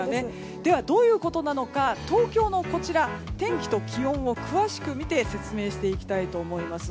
では、どういうことなのか東京の天気と気温を詳しく見て説明していきたいと思います。